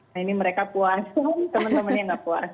nah ini mereka puasa temen temennya gak puasa